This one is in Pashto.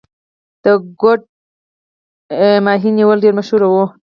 د کوډ کب نیول ډیر مشهور و.